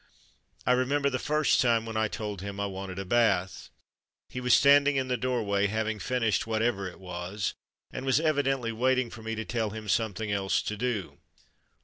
I remember the first time when I told him I wanted a bath. He was standing in the doorway, having finished whatever it was, and was evidently waiting for me to tell him something else to do.